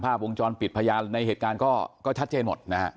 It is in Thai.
วงจรปิดพยานในเหตุการณ์ก็ชัดเจนหมดนะฮะ